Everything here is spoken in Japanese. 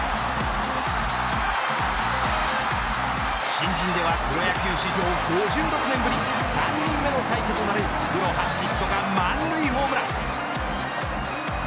新人ではプロ野球史上５６年ぶり３人目の快挙となるプロ初ヒットが満塁ホームラン。